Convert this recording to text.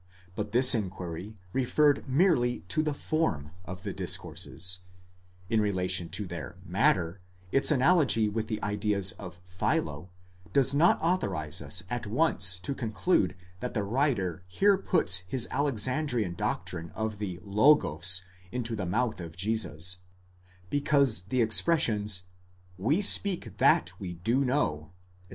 '* But this inquiry referred merely to the form of the discourses ; in relation to their matter, its analogy with the ideas of Philo, does not authorize us at once to conclude that the writer here puts his Alexandrian doctrine of the Logos into the mouth of Jesus ; 15 because the expressions, We speak that we do know, etc.